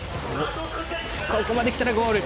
ここまで来たらゴール。